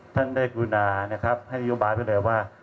ท่านได้กลุ่นาให้โยบายไปเลยว่า